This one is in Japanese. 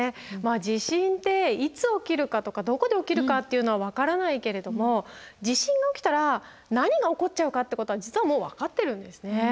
地震っていつ起きるかとかどこで起きるかっていうのは分からないけれども地震が起きたら何が起こっちゃうかってことは実はもう分かってるんですね。